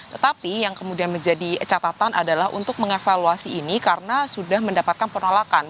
tetapi yang kemudian menjadi catatan adalah untuk mengevaluasi ini karena sudah mendapatkan penolakan